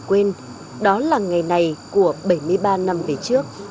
quên đó là ngày này của bảy mươi ba năm về trước